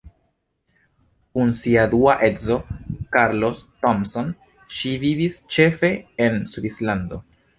Kun sia dua edzo Carlos Thompson ŝi vivis ĉefe en Svislando.